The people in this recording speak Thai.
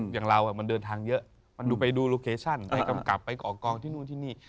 อย่างเรามันเดินทางเยอะมันดูไปดูโลเคชั่นไปกำกับไปก่อกองที่นู่นที่นี่